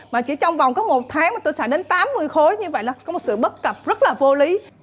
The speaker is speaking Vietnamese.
mà chỉ trong vòng có một tháng mà tôi xài đến tám mươi khối như vậy là có một sự bất cập rất là vô lý